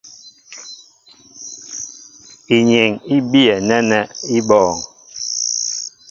Inyeŋ í biyɛ nɛ́nɛ́ í bɔ̄ɔ̄ŋ.